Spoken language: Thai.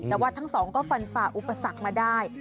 แต่ว่าทั้งสองก็ฟันฝ่าอุปสรรคมาได้